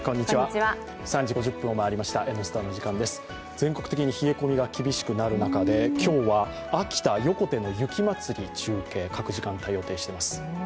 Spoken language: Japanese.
全国的に冷え込みが厳しくなる中で、今日は秋田横手の雪まつり、中継、各時間帯、予定しています。